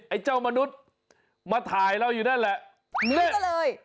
ไอ้เจ้ามนุษย์มาถ่ายเราอยู่นั่นแหละเลือดเลย